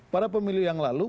pada pemilu yang lalu